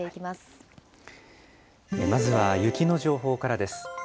まずは雪の情報からです。